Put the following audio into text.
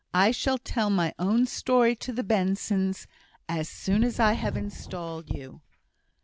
I shall tell my own story to the Bensons, as soon as I have installed you."